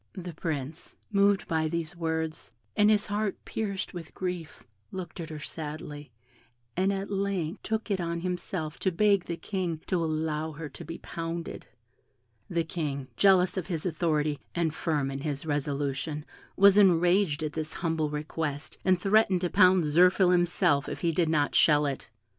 The Prince, moved by these words, and his heart pierced with grief, looked at her sadly, and at length took it on himself to beg the King to allow her to be pounded. The King, jealous of his authority, and firm in his resolution, was enraged at this humble request, and threatened to pound Zirphil himself if he did not shell it.